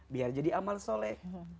biar jadi amal soleh